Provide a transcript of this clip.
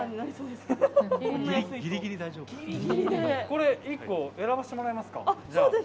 これ１個選ばせてもらいますか。